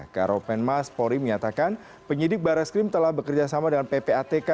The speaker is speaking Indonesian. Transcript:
karo penmas pori menyatakan penyidik barai skrim telah bekerjasama dengan ppatk